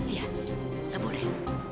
iya gak boleh